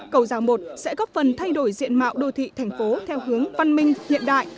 cầu giao một sẽ góp phần thay đổi diện mạo đô thị thành phố theo hướng văn minh hiện đại